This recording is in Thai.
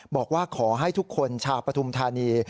บอกว่าขอให้ทุกคนชาวปฐุมธานี